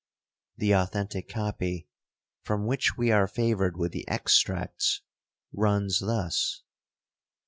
The authentic copy, from which we are favoured with the extracts, runs thus.